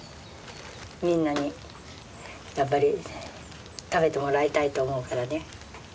みんなにやっぱり食べてもらいたいと思うからね。